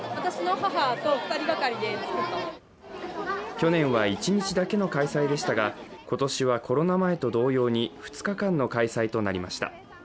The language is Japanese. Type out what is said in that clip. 去年は一日だけの開催でしたが、今年はコロナ前と同様に２日間の開催となりました。